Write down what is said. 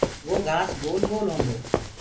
وو گھآس گول گول هوندو هي۔